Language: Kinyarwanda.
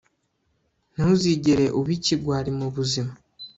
ntuzigere uba ikigwari mubuzima